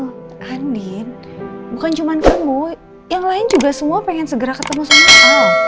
ben din bukan cuma kamu yang lain juga semua pengen segera ketemu sama sal